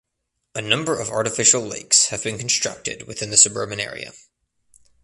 A number of artificial lakes have been constructed within the suburban area.